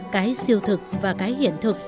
cái siêu thực và cái hiển thực